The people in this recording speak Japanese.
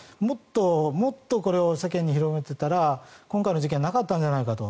もっとこれを世間に広めていたら今回の事件はなかったんじゃないかと。